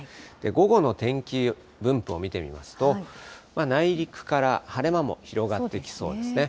午後の天気分布を見てみますと、内陸から晴れ間も広がってきそうですね。